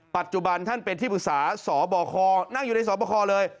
ปัจจุบันท่านเป็นที่ปรึกษาสบคนั่งอยู่ในสอบคอเลย